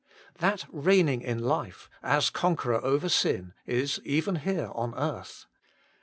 That reign ing in life, as conqueror over sin, is even here on earth.